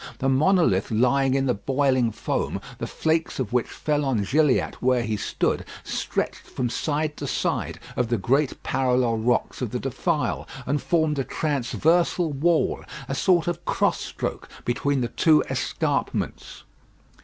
The monolith lying in the boiling foam, the flakes of which fell on Gilliatt where he stood, stretched from side to side of the great parallel rocks of the defile, and formed a transversal wall, a sort of cross stroke between the two escarpments.